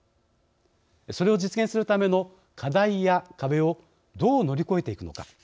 それを実現するための課題や壁をどう乗り越えていくのか。